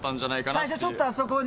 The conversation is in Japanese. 最初、ちょっとあそこに。